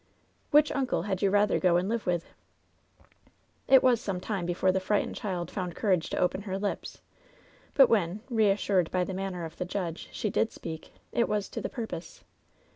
Which uncle had you rather go and live with V "It was some time before the frightened child found courage to open her lips, but when, reassured by the manner of the judge, die did speak, it was to the pur pose.